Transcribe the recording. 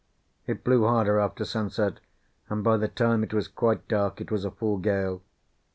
It blew harder after sunset, and by the time it was quite dark it was a full gale.